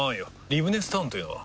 リブネスタウンというのは？